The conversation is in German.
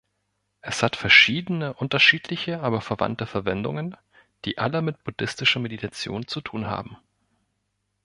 Es hat verschiedene unterschiedliche, aber verwandte Verwendungen, die alle mit buddhistischer Meditation zu tun haben.